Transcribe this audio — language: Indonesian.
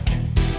saya yang menang